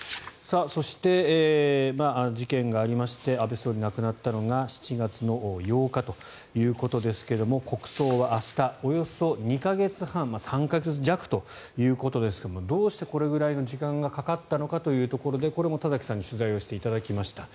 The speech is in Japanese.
そして、事件がありまして安倍元総理が亡くなったのが７月の８日ということですが国葬は明日およそ２か月半３か月弱ということですがどうしてこれくらいの時間がかかったのかというところでこれも田崎さんに取材をしていただきました。